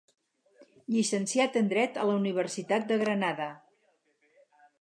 Llicenciat en dret a la Universitat de Granada.